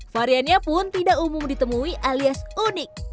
variannya pun tidak umum ditemui alias unik